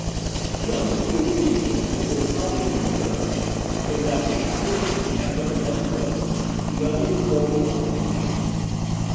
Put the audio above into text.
One peculiar detail, which was hardly reassuring, was that the apparition had but one foot, the other was broken off at the ankle.